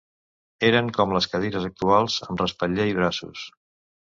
Eren com les cadires actuals amb respatller i braços.